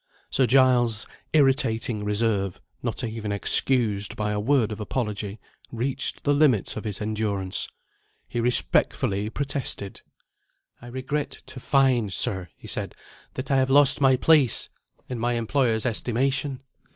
Sir Giles's irritating reserve, not even excused by a word of apology, reached the limits of his endurance. He respectfully protested. "I regret to find, sir," he said, "that I have lost my place in my employer's estimation.